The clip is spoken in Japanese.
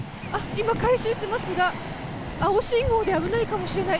今、回収していますが青信号で危ないかもしれない。